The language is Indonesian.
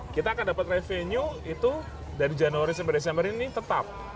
kita akan dapat revenue itu dari januari sampai desember ini tetap